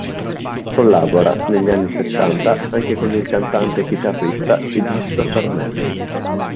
Collabora, negli anni Settanta, anche con il cantante e chitarrista Egisto Sarnelli.